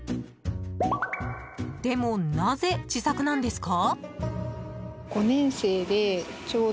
でも、なぜ自作なんですか？